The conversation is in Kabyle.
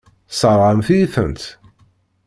Tesseṛɣemt-iyi-tent.